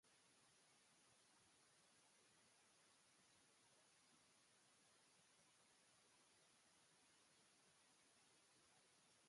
He has also served on the board of directors for the American Conservative Union.